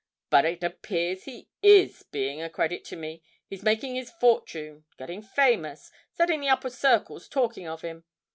But it appears he is being a credit to me he's making his fortune, getting famous, setting the upper circles talking of him.